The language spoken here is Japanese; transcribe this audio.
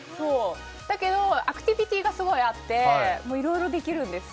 だけど、アクティビティーがすごいあっていろいろできるんです。